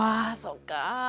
あそっか。